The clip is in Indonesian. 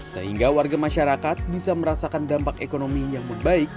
sehingga warga masyarakat bisa merasakan dampak ekonomi yang membaik